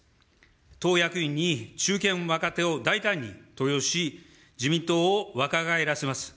党役員に中堅・若手を大胆に登用し、自民党を若返らせます。